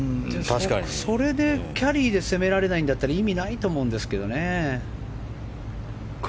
それでキャリーで攻められないんだったら意味ないと思うんですけどね。